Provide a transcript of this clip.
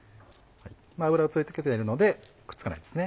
油を付けているのでくっつかないです。